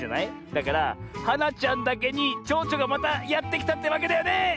だからはなちゃんだけにちょうちょがまたやってきたってわけだよね！